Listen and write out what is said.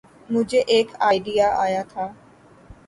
مجھے ایک آئڈیا آیا تھا۔